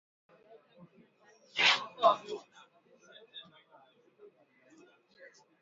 Jaji Ketanji ahojiwa na seneti kwa siku ya pili